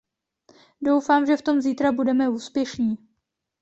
Doufám, že v tom zítra budeme úspěšní.